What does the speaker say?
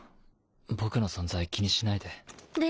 僕の存在気にしないで。